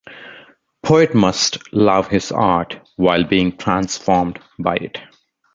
Poet must love his art while being transformed by it.